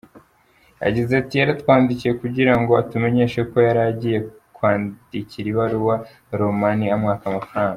Yagize ati "Yaratwandikiye kugira ngo atumenyeshe ko yari agiye kwandikira ibaruwa Romanie, amwaka amafaranga.